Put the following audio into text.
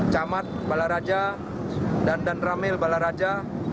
camat balaraja dan danramil balaraja